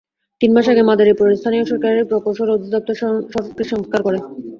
তিন মাস আগে মাদারীপুরের স্থানীয় সরকার প্রকৌশল অধিদপ্তর সড়কটির সংস্কার করে।